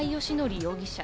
容疑者。